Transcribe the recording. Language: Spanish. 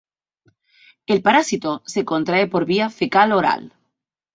El parásito se contrae por vía fecal-oral.